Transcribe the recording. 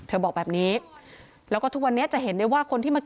อ่ะเดี๋ยวลองฟังดีกว่าครับว่าเธอคาดการเอาไว้ว่าจะเป็นยังไงบ้าง